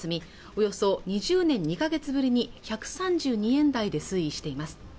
およそ２０年２ヶ月ぶりに１３２円台で推移しています